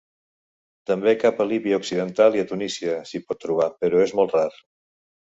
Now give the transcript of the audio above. També cap a Líbia occidental i a Tunísia s'hi pot trobar però és molt rar.